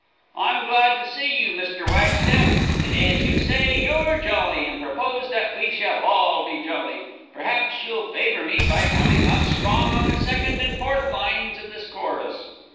I'm glad to see you, Mr. Wagstaff, and as you say you're jolly, and propose that we shall all be jolly, perhaps you'll favor me by coming out strong on the second and fourth lines of this chorus.